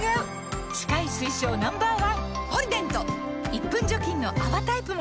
１分除菌の泡タイプも！